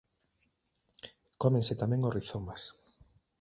Cómense tamén os rizomas.